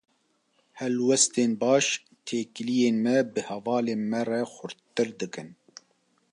Helwestên baş, têkiliyên me bi hevalên me re xurttir dikin.